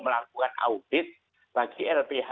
melakukan audit bagi lph